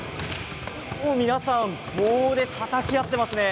皆さん棒でたたき合っていますね。